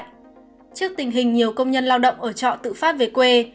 trước tình hình nhiều công nhân lao động ở trọ tự phát về quê